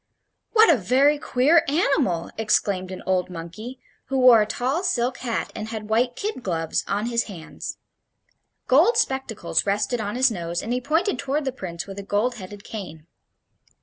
"What a very queer animal!" exclaimed an old monkey, who wore a tall silk hat and had white kid gloves on his hands. Gold spectacles rested on his nose, and he pointed toward the Prince with a gold headed cane.